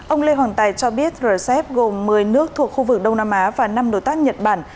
ông lê hoàng tài cho biết rcep gồm một mươi nước thuộc khu vực đông nam á và năm đối tác nhật bản